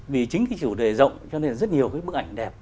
vì chính cái chủ đề rộng cho nên là rất nhiều cái bức ảnh đẹp